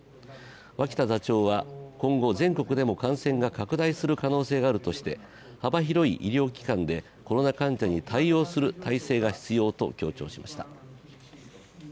脇田座長は今後、全国でも感染が拡大する可能性があるとして幅広い医療機関でコロナ患者に対応する体制が必要と強調しました。